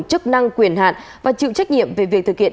rút ngắn thời gian